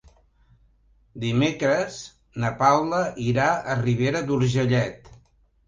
Dimecres na Paula irà a Ribera d'Urgellet.